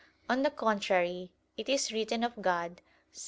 On the contrary, It is written of God (Ps.